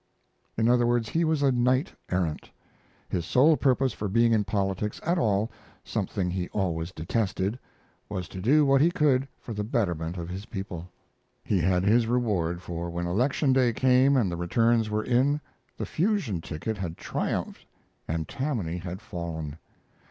In other words, he was a knight errant; his sole purpose for being in politics at all something he always detested was to do what he could for the betterment of his people. He had his reward, for when Election Day came, and the returns were in, the Fusion ticket had triumphed and Tammany had fallen.